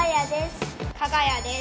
かが屋です。